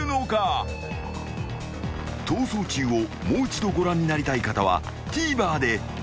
［『逃走中』をもう一度ご覧になりたい方はＴＶｅｒで］